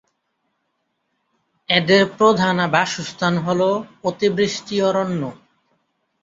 এদের প্রধান বাসস্থান হল অতিবৃষ্টি অরণ্য।